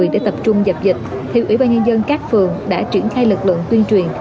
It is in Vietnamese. để tập trung dập dịch ủy ban nhân dân các phường đã triển khai lực lượng tuyên truyền